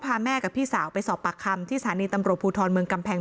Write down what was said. พาแม่กับพี่สาวไปสอบปากคำที่สถานีตำรวจภูทรเมืองกำแพง